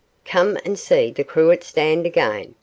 'Come and see "The Cruet Stand" again.